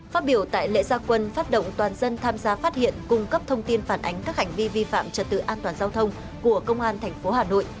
phát biểu tại lễ gia quân phát động toàn dân tham gia phát hiện cung cấp thông tin phản ánh các hành vi vi phạm trật tự an toàn giao thông của công an tp hà nội